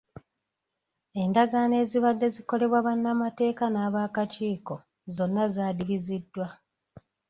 Endagaano ezibadde zikolebwa bannamateeka n'abaakakiiko zonna zaadibiziddwa.